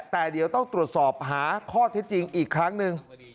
แต่เดี๋ยวต้องตรวจสอบหาข้อเท็จจริงอีกครั้งหนึ่ง